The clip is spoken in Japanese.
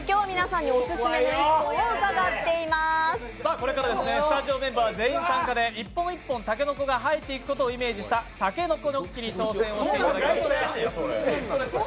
これからスタジオメンバー全員参加で１本１本たけのこが生えていくことをイメージしたたけのこニョッキに挑戦していただきます。